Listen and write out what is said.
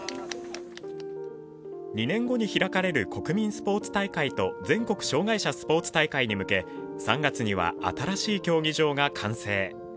２年後に開かれる国民スポーツ大会と全国障害者スポーツ大会に向け３月には新しい競技場が完成。